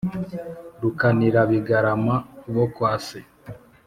Rukanirabigarama bo kwa se